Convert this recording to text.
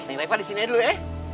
nih pak disini aja dulu ya